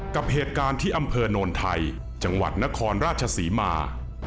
กับเหตุการณ์ที่อำเภอโนนไทยจังหวัดนครราชศรีมา